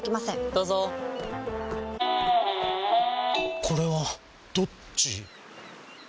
どうぞこれはどっち？